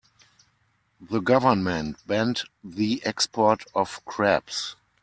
The government banned the export of crabs.